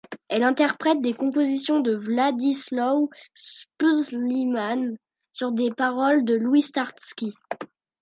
Elle interprète des compositions de Władysław Szpilman sur des paroles de Louis Starski.